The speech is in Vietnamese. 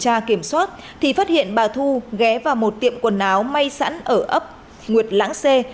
trước khi được kiểm soát thì phát hiện bà thu ghé vào một tiệm quần áo may sẵn ở ấp nguyệt lãng xê